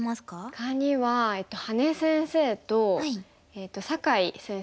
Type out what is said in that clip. ほかには羽根先生と酒井先生ですね。